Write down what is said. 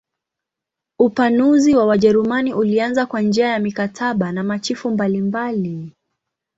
Upanuzi wa Wajerumani ulianza kwa njia ya mikataba na machifu mbalimbali.